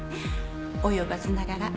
及ばずながら。